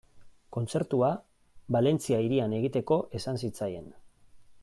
Kontzertua Valentzia hirian egiteko esan zitzaien.